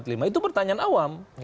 itu pertanyaan awam